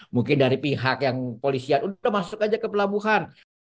mungkin dari pihak yang polisian udah masuk aja ke pelabuhan